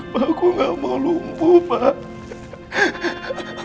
papa aku gak mau lumpuh papa